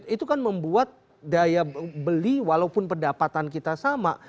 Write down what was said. itu kan membuat daya beli walaupun pendapatan kita sama